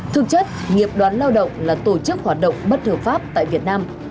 thực chất nghiệp đoàn lao động là tổ chức hoạt động bất hợp pháp tại việt nam